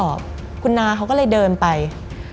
มันกลายเป็นรูปของคนที่กำลังขโมยคิ้วแล้วก็ร้องไห้อยู่